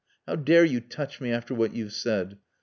How dare you touch me after what you've said.